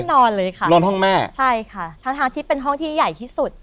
นอนเลยค่ะนอนห้องแม่ใช่ค่ะทั้งที่เป็นห้องที่ใหญ่ที่สุด